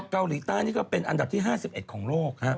เกาหลีใต้นี่ก็เป็นอันดับที่๕๑ของโลก